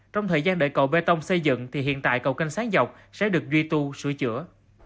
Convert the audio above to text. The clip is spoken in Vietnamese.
trong thời gian đợi cầu bê tông xây dựng thì hiện tại cầu kênh sáng dọc sẽ được duy tu sửa chữa